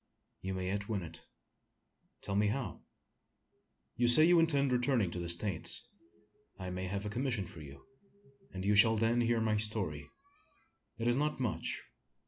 "You may yet win it." "Tell me how." "You say you intend returning to the States. I may have a commission for you; and you shall then hear my story. It is not much.